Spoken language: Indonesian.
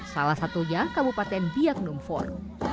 salah satunya kabupaten biak numpon